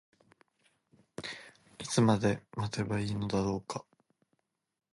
いつまで待てばいいのだろうか。